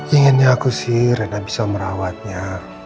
inginnya aku sih reda bisa merawatnya